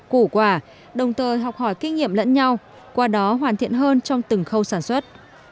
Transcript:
củ quả đồng thời học hỏi kinh nghiệm lẫn nhau qua đó hoàn thiện hơn trong từng khâu sản xuất